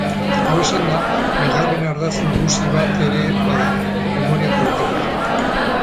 Hau esanda, bigarren ardatz nagusi bat ere badago: memoria politikoa.